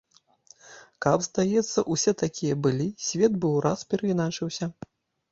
Каб, здаецца, усе такія былі, свет бы ўраз перайначыўся.